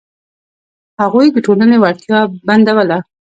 هغوی د ټولنې وړتیا بندوله.